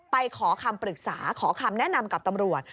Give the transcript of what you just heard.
ขอคำปรึกษาขอคำแนะนำกับตำรวจ